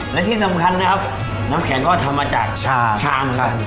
และที่สำคัญนะครับน้ำแข็งก็ทำมาจากชา